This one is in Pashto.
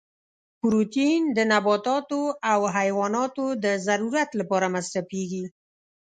پروتین د نباتاتو او حیواناتو د ضرورت لپاره مصرفیږي.